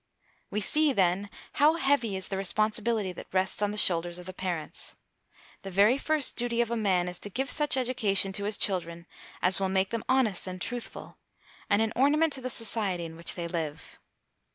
We see, then, how heavy is the responsibility that rests on the shoulders of parents. The very first duty of a man is to give such education to his children as will make them honest and truthful, and an ornament to the society in which they live.